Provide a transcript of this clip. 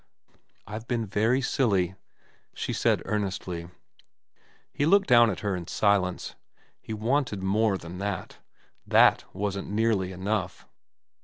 ' I've been very silly,' she said earnestly. He looked down at her in silence. He wanted more than that. That wasn't nearly enough.